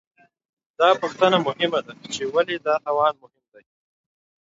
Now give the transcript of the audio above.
دا پوښتنه مهمه ده، چې ولې دا توان مهم دی؟